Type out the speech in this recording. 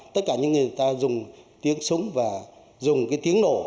tất cả những người ta dùng tiếng súng và dùng cái tiếng nổ